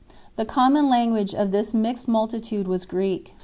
The common language of this mixed multitude was Greek.